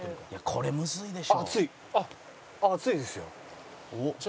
「これむずいでしょ」